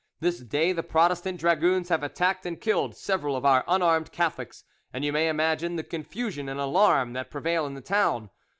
This day the Protestant dragoons have attacked and killed several of our unarmed Catholics, and you may imagine the confusion and alarm that prevail in the town.